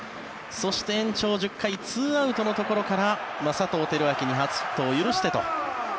そして延長１０回２アウトのところから佐藤輝明に初ヒットを許してと。